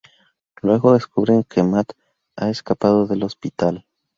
Luego descubren que Matt ha escapado del hospital.